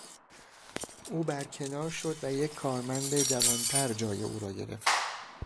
او برکنار شد و یک کارمند جوانتر جای او را گرفت.